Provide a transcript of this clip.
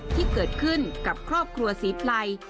ที่เกิดขึ้นกับครอบครัวศรีไพร